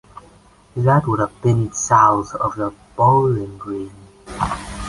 That would have been south of the Bowling Green.